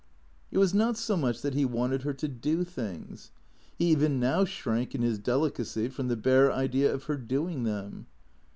It was not so much that he wanted her to do things. He even now shrank, in his delicacy, from the bare idea of her do ing them.